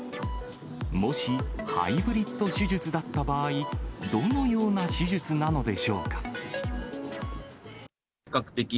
もし、ハイブリッド手術だった場合、どのような手術なのでしょう比較的